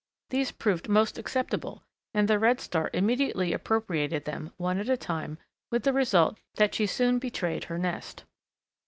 These proved most acceptable, and the Redstart immediately appropriated them, one at a time, with the result that she soon betrayed her nest.